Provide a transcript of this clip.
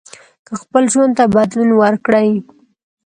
که خپل ژوند ته بدلون ورکړئ